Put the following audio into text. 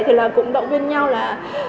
thì là cũng động viên nhau là